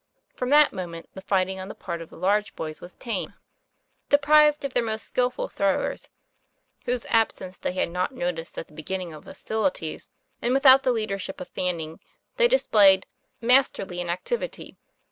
From that moment, the fighting on the part of the large boys was tame. Deprived of their most skil ful throwers, whose absence they had not noticed at the beginning of hostilities, and without the leader ship of Fanning, they displayed a " masterly inac tivity."